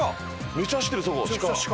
めっちゃ走ってるそこ鹿。